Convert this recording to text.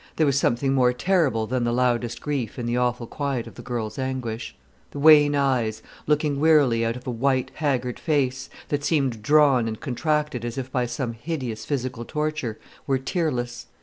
There was something more terrible than the loudest grief in the awful quiet of the girl's anguish. The wan eyes, looking wearily out of a white haggard face, that seemed drawn and contracted as if by some hideous physical torture, were tearless.